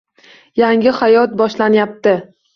Yangi hayot boshlanyapti.